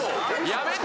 やめて！